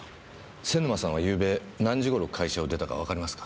瀬沼さんは昨夜何時頃会社を出たかわかりますか？